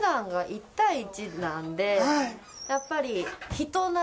やっぱり。